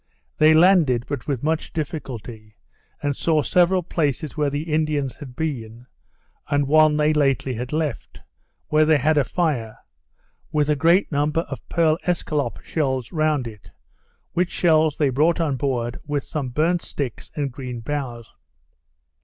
They landed, but with much difficulty, and saw several places where the Indians had been, and one they lately had left, where they had a fire, with a great number of pearl escallop shells round it, which shells they brought on board, with, some burnt sticks and green boughs.